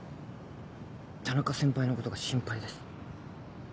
田中先輩のことが心配です。